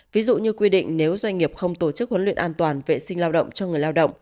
ví dụ như quy định nếu doanh nghiệp không tổ chức huấn luyện an toàn vệ sinh lao động cho người lao động